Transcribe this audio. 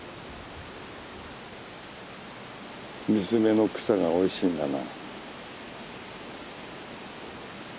水辺の草がおいしいんだな。